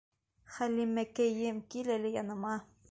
Хәлимәкәйем, кил әле яныма!